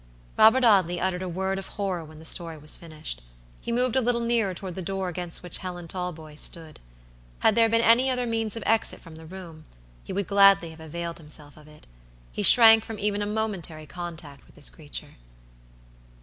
Robert Audley uttered a word of horror when the story was finished. He moved a little nearer toward the door against which Helen Talboys stood. Had there been any other means of exit from the room, he would gladly have availed himself of it. He shrank from even a momentary contact with this creature.